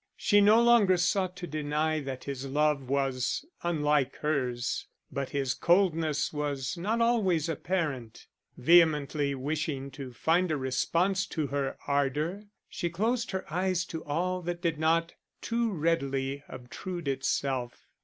She no longer sought to deny that his love was unlike hers; but his coldness was not always apparent; vehemently wishing to find a response to her ardour, she closed her eyes to all that did not too readily obtrude itself.